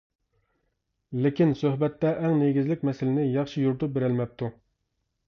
لېكىن سۆھبەتتە ئەڭ نېگىزلىك مەسىلىنى ياخشى يورۇتۇپ بېرەلمەپتۇ.